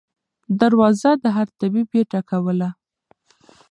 دروازه د هر طبیب یې ټکوله